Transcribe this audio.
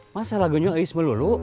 masa lagunya ais melulu